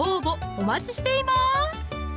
お待ちしています